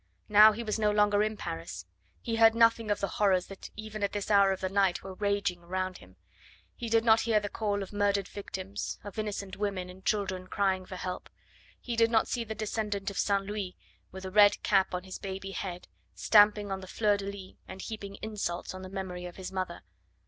Now he was no longer in Paris; he heard nothing of the horrors that even at this hour of the night were raging around him; he did not hear the call of murdered victims, of innocent women and children crying for help; he did not see the descendant of St. Louis, with a red cap on his baby head, stamping on the fleur de lys, and heaping insults on the memory of his mother.